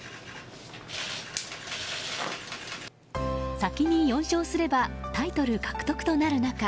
先に４勝すればタイトル獲得となる中